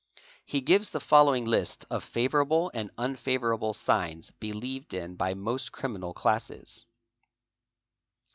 He gives the follow ing list of favourable and unfavourable signs believed in by most criminal classes.